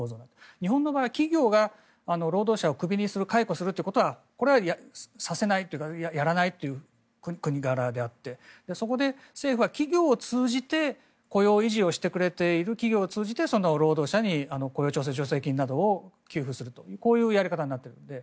日本の場合は企業が労働者をクビにする解雇するということはこれはさせないというかやらないというお国柄であってそこで政府は企業を通じて雇用維持をしてくれている企業を通じてその労働者に雇用調整助成金などを給付するというこういうやり方になっている。